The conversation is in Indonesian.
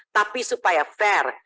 tapi supaya fair